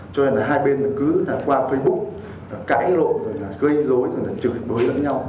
cho nên là hai bên cứ qua facebook cãi lộ gây dối chửi bới lẫn nhau